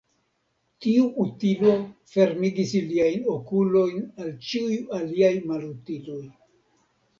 Tiu utilo fermigis iliajn okulojn al ĉiuj aliaj malutiloj.